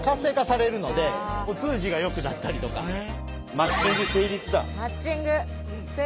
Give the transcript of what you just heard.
マッチング成立だ。